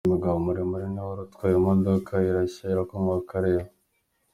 Uyu mugabo muremure niwe wari utwaye iyi modoka, irashya irakongoka areba.